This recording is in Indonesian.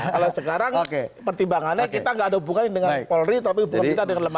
kalau sekarang pertimbangannya kita tidak ada hubungannya dengan polri tapi hubungannya kita dengan lemari